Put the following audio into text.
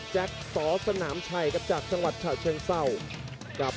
แจ็คสสนามชัยกับจากจังหวัดเชิงเศร้า